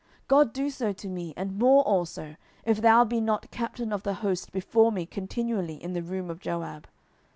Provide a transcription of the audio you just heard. God do so to me, and more also, if thou be not captain of the host before me continually in the room of Joab.